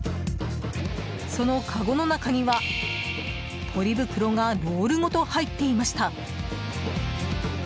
そのかごの中には、ポリ袋がロールごと入っていました。